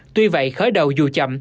tuy vậy khởi đầu dù chậm